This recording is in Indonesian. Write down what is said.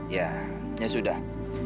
ya ya sudah